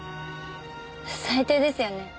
最低ですよね。